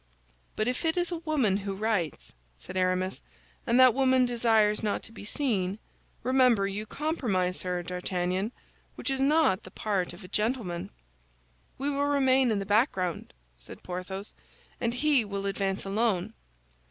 "But if it is a woman who writes," said Aramis, "and that woman desires not to be seen, remember, you compromise her, D'Artagnan; which is not the part of a gentleman." "We will remain in the background," said Porthos, "and he will advance alone."